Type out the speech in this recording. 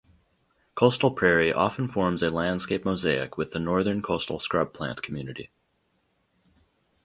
Coastal prairie often forms a landscape mosaic with the Northern coastal scrub plant community.